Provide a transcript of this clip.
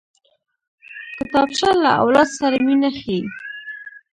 کتابچه له اولاد سره مینه ښيي